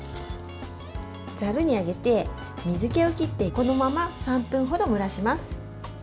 ざるにあげて、水けを切ってこのまま３分ほど蒸らします。